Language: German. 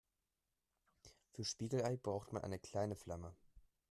Für Spiegelei braucht man eine kleine Flamme.